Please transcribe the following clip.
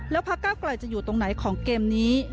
แล้วพักเก้าไกลจะอยู่ตรงไหนของเกมนี้